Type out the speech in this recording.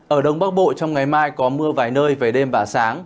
ở đông bắc bộ trong ngày mai có mưa vài nơi về đêm và sáng